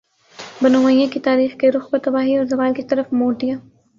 بنو امیہ کی تاریخ کے رخ کو تباہی اور زوال کی طرف موڑ دیا